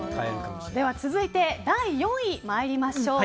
続いて、第４位に参りましょう。